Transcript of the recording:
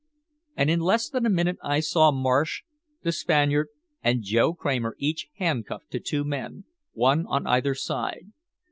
And in less than a minute I saw Marsh, the Spaniard and Joe Kramer each handcuffed to two men, one on either side.